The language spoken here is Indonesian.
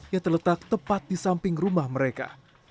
yang terletak tepat di samping rumah mereka